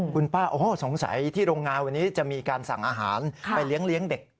คุณป้าโอ้โหสงสัยที่โรงงานวันนี้จะมีการสั่งอาหารไปเลี้ยงเด็ก